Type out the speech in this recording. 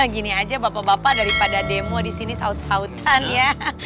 gini aja bapak bapak daripada demo disini saut sautan ya